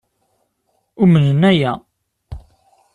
Umnen aya.